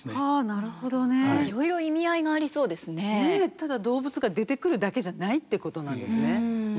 ただ動物が出てくるだけじゃないってことなんですね。